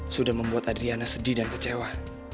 sudah membuat adriana sedih dan kecewa